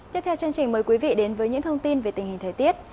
tiếp theo chương trình mời quý vị đến với những thông tin về tình hình thời tiết